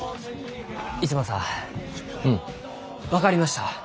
逸馬さん分かりました。